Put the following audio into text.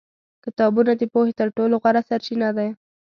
کتابونه د پوهې تر ټولو غوره سرچینه دي.